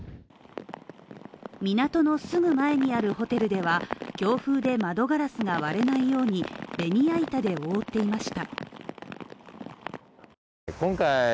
港のすぐ前にあるホテルでは強風で窓ガラスが割れないようにベニヤ板で覆っていました